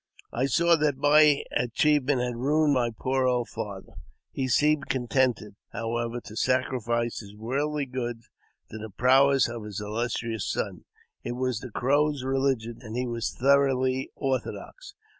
I saw that my achievement had ruined my poor old father. He seemed con tented, however, to sacrifice his worldly goods to the prowess of his illustrious son. It was the Crows' religion, and he was thoroughly orthodox.